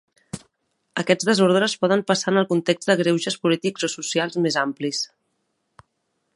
Aquests desordres poden passar en el context de greuges polítics o socials més amplis.